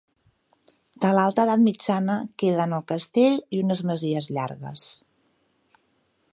De l'alta edat mitjana queden el castell i unes masies llargues.